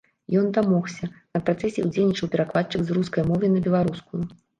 Ён дамогся, на працэсе ўдзельнічаў перакладчык з рускай мовы на беларускую.